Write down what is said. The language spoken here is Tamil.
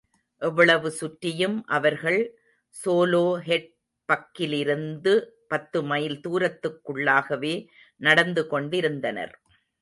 எவ்வளவு சுற்றியும் அவர்கள் ஸோலோஹெட்பக்கிலிருந்து பத்துமைல் தூரத்திற்குள்ளாகவே நடந்து கொண்டிருந்தனர்.